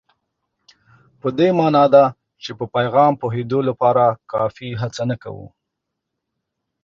په دې مانا ده چې په پیغام د پوهېدو لپاره کافي هڅه نه کوو.